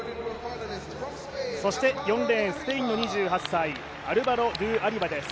そして４レーン、スペインの２８歳アルバロ・ドゥ・アリバです。